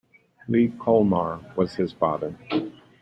Lee Kohlmar was his father.